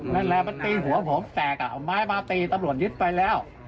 นั่นแหละมันตีหัวผมแตกอ่ะเอาไม้มาตีตำรวจยึดไปแล้ว